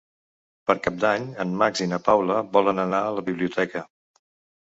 Per Cap d'Any en Max i na Paula volen anar a la biblioteca.